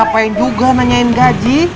apaspa ini aku dapat gaji